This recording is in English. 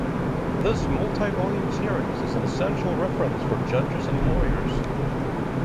This multi-volume series is an essential reference for judges and lawyers.